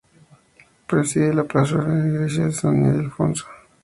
Preside la plazuela la Iglesia de San Ildefonso.